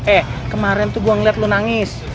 eh kemarin tuh gue ngeliat lu nangis